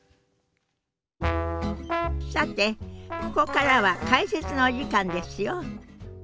さてここからは解説のお時間ですよ。